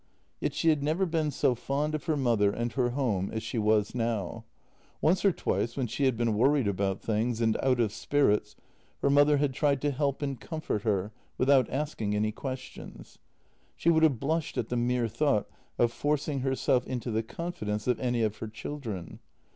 Yet she had never been so fond of her mother and her home as she was now. Once or twice when she had been worried about things, and out of spirits, her mother had tried to help and comfort her without asking any questions. She would have blushed at the mere thought of forcing herself into the confidence of any of her children.